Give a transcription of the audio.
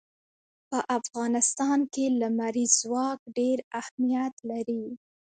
په افغانستان کې لمریز ځواک ډېر اهمیت لري.